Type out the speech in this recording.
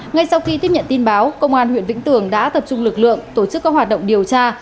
ngay sau khi tiếp nhận tin báo công an huyện vĩnh tường đã tập trung lực lượng tổ chức các hoạt động điều tra